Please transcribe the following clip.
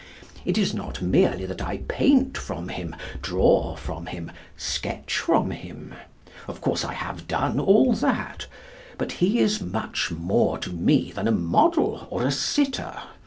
It is not merely that I paint from him, draw from him, sketch from him. Of course I have done all that. But he is much more to me than a model or a sitter.